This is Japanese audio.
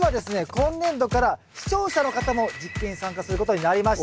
今年度から視聴者の方も実験に参加することになりました。